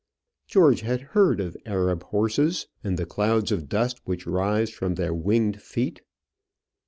George had heard of Arab horses, and the clouds of dust which rise from their winged feet.